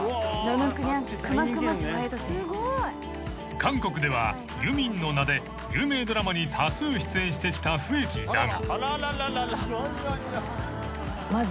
［韓国ではユミンの名で有名ドラマに多数出演してきた笛木だが］